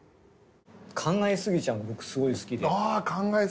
「考えすぎちゃん」が僕すごい好きで。